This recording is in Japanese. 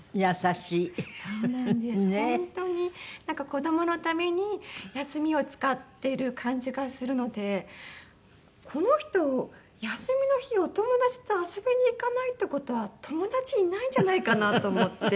なんか子どものために休みを使ってる感じがするのでこの人休みの日お友達と遊びに行かないって事は友達いないんじゃないかなと思って。